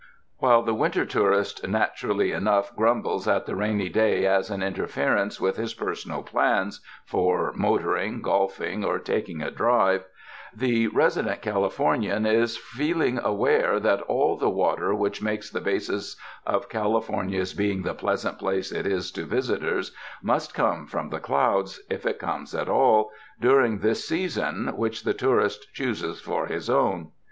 While the winter tourist naturally enough grumbles at the rainy day as an interference with his personal plans for motoring, golfing or taking a drive, the resident Californian is feelingly aware that all the water which makes the basis of California's being the pleasant place it is to visitors, must come from the clouds, if it comes at all, during this season which the tourist chooses for his own.